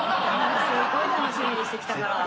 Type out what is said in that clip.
すごい楽しみにしてきたから。